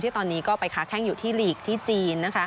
ตอนนี้ก็ไปค้าแข้งอยู่ที่ลีกที่จีน